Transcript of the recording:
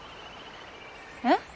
えっ？